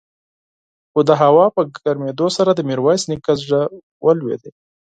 خو د هوا په ګرمېدو سره د ميرويس نيکه زړه ولوېد.